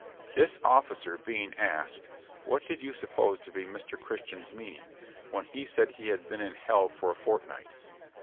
This officer, being asked, 'what did you suppose to be Mr. Christian's meaning, when he said he had been in hell for a fortnight?'